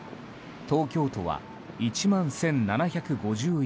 東京都は１万１７５１人。